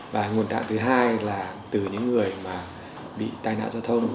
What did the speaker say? và nguồn tạng thứ hai là từ những người bị tai nạo giao thông